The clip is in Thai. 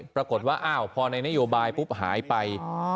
ปรากฏว่าอ้าวพอในนโยบายปุ๊บหายไป